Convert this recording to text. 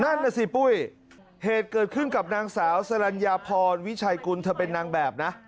นั่นน่ะสิปุ้ยเหตุเกิดขึ้นกับนางสาวสรรญาพรวิชัยกุลเธอเป็นนางแบบนะ